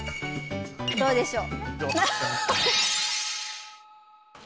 どうでしょう？